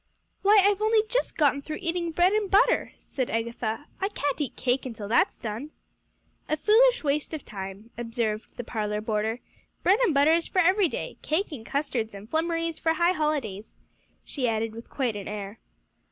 "Why, I've only just gotten through eating bread and butter," said Agatha. "I can't eat cake until that's done." "A foolish waste of time," observed the parlor boarder; "bread and butter is for every day; cake and custards and flummery for high holidays," she added with quite an air.